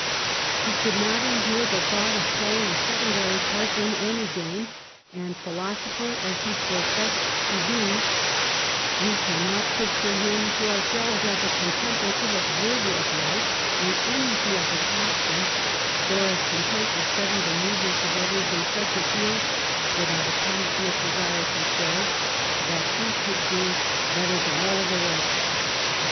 He could not endure the thought of playing a secondary part in any game, and, philosopher as he professed to be, we cannot picture him to ourselves as a contemplative observer of life in any field of action, or as content to study the movements of others in such a field with out a passionate desire to show that he could do 1712 13 BOLINGBROKE^S GENIUS. 59 better than all the rest.